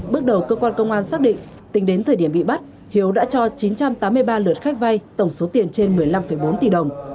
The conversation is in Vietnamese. bước đầu cơ quan công an xác định tính đến thời điểm bị bắt hiếu đã cho chín trăm tám mươi ba lượt khách vay tổng số tiền trên một mươi năm bốn tỷ đồng